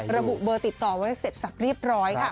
ระบุเบอร์ติดต่อไว้เสร็จสับเรียบร้อยค่ะ